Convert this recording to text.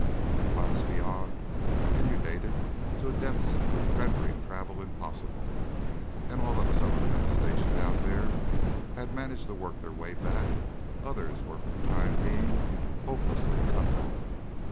The flats beyond were inundated to a depth rendering travel impossible, and although some of the men stationed out there had managed to work their way back, others were, for the time being, hopelessly cut off.